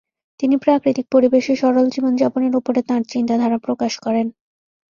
তিনি প্রাকৃতিক পরিবেশে সরল জীবনযাপনের উপরে তাঁর চিন্তাধারা প্রকাশ করেন।